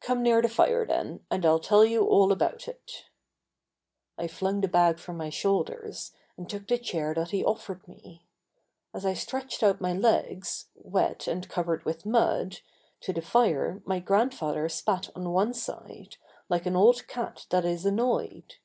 "Come near the fire then and I'll tell you all about it." I flung the bag from my shoulders and took the chair that he offered me. As I stretched out my legs, wet, and covered with mud, to the fire my grandfather spat on one side, like an old cat that is annoyed.